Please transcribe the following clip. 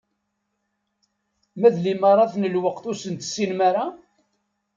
Ma d limaṛat n lewqat, ur sen-tessinem ara?